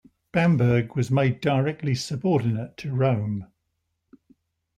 Bamberg was made directly subordinate to Rome.